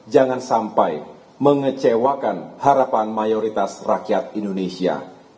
jangan sampai mengecewakan harapan mayoritas rakyat indonesia